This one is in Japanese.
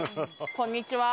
こんにちは。